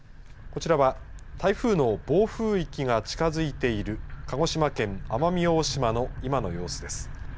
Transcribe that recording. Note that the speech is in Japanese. こちらは台風の暴風域が近づいている鹿児島県奄美大島の今の様子です。